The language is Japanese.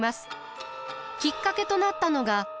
きっかけとなったのが。